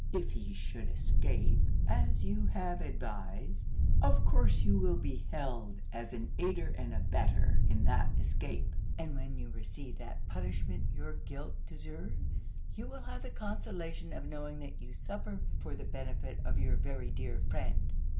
If he should escape, as you have advised, of course you will be held as an aider and abettor in that escape; and when you receive that punishment your guilt deserves, you will have the consolation of knowing that you suffer for the benefit of your very dear friend!